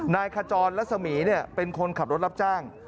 ขจรรัศมีร์เป็นคนขับรถรับจ้าง